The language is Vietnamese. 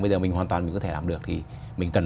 bây giờ mình hoàn toàn mình có thể làm được thì mình cần